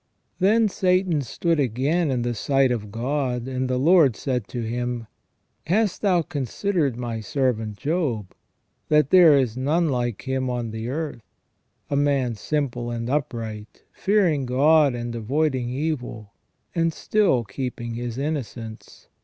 Then Satan stood again in the sight of God, and the Lord said to him: "Hast thou considered My servant Job, that there is none like him on the earth, a man simple and upright, fearing God and avoiding evil, and still keeping his innocence